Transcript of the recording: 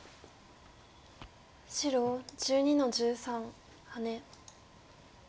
白１２の十三ハネ。